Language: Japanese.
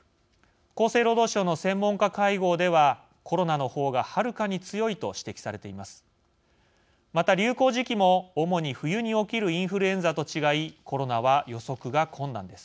厚生労働省の専門家会合ではコロナの方がはるかに強いと指摘されています。